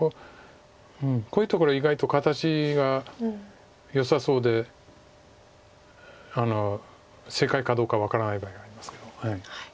こういうところ意外と形がよさそうで正解かどうか分からない場合がありますけど。